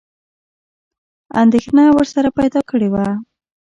انېدښنه ورسره پیدا کړې وه.